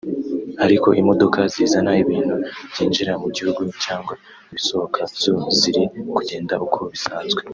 ariko imodoka zizana ibintu byinjira mu gihugu cyangwa ibisohoka zo ziri kugenda uko bisazwe